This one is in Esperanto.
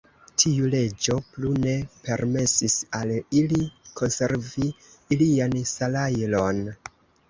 Tiu leĝo plu ne permesis al ili konservi ilian salajron.